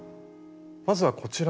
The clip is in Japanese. まずはこちらの。